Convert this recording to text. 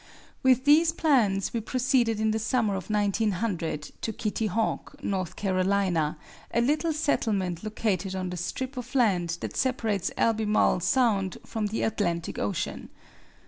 With these plans we proceeded in the summer of 1900 to Kitty Hawk, North Carolina, a little settlement located on the strip of land that separates Albemarle Sound from the Atlantic Ocean.